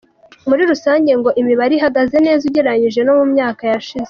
Muri rusange ngo imibare ihagaze neza ugereranyije no mu myaka yashize.